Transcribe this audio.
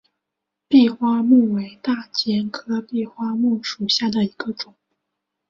闭花木为大戟科闭花木属下的一个种。